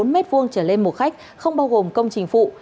bốn m hai trở lên một khách không bao gồm công trình phụ